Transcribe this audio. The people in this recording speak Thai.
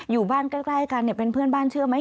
อยู่บ้านใกล้กันเป็นเพื่อนบ้านเชื่อไหม